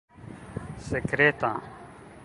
sekreta